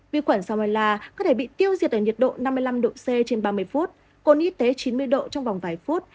vi khuẩn samella có thể bị tiêu diệt ở nhiệt độ năm mươi năm độ c trên ba mươi phút cồn y tế chín mươi độ trong vòng vài phút